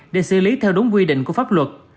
để xử lý theo đúng quy định của pháp luật